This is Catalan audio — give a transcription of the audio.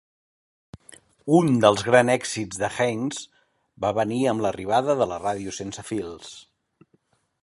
Un dels grans èxits de Heinze va venir amb l'arribada de la ràdio sense fils.